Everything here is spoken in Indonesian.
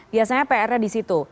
biasanya pr nya di situ